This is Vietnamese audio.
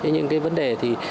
nhưng cái vấn đề thì